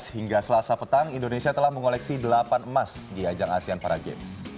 hingga selasa petang indonesia telah mengoleksi delapan emas di ajang asean para games